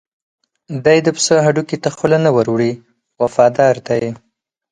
دی د پسه هډوکي ته خوله نه ور وړي وفادار دی.